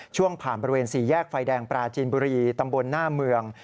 ช่วงผ่านบริเวณสี่แยกไฟแดงปราจีนบุรีตำบลหน้าเมือง